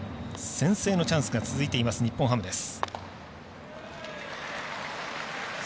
先制のチャンスが続いています日本ハムです。